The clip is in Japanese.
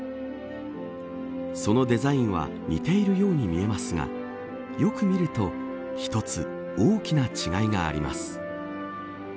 そのデザインは似ているように見えますがよく見ると一つ大きな違いがあります。